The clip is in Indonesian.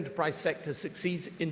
tapi saya mereka engagement